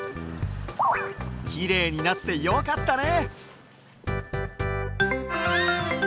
きれいになってよかったね。